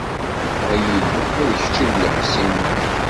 Ay Illu, d kečč i d leḥṣin-iw!